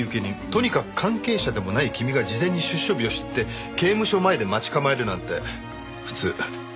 とにかく関係者でもない君が事前に出所日を知って刑務所前で待ち構えるなんて普通出来っこない。